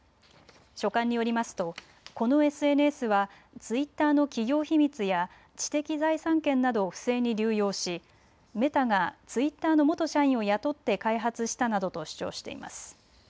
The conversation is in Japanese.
書簡によりますとこのＳＮＳはツイッターの企業秘密や知的財産権などを不正に流用しメタがツイッターの元社員を雇って開発したなどと主張しています。